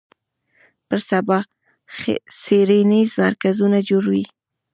پر سبا څېړنیز مرکزونه جوړ وي